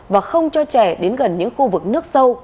và không cho trẻ đến gần những khu vực nước sâu